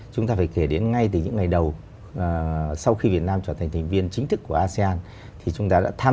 chúng ta phải kể đến ngay từ những ngày đầu sau khi việt nam trở thành thành viên chính thức của asean